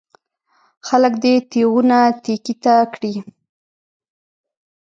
خلک دې تېغونه تېکې ته کړي.